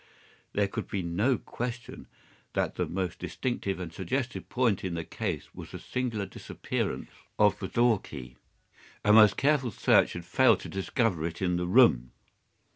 There could be no question that the most distinctive and suggestive point in the case was the singular disappearance of the door key. A most careful search had failed to discover it in the room.